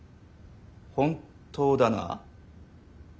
本当だな？